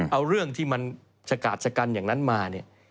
เอาเรื่องที่มันฉกาดฉกันอย่างนั้นมา